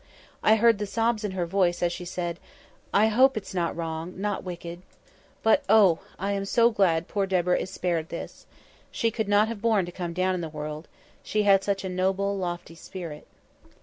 I heard the sobs in her voice as she said, "I hope it's not wrong—not wicked—but, oh! I am so glad poor Deborah is spared this. She could not have borne to come down in the world—she had such a noble, lofty spirit."